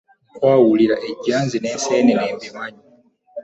Nkawulira ejjanzi n'enseenene mbimanye.